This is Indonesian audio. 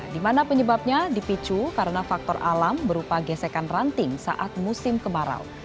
di mana penyebabnya dipicu karena faktor alam berupa gesekan ranting saat musim kemarau